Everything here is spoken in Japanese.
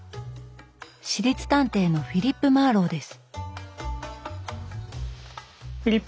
私立探偵のフィリップ・マーロウです。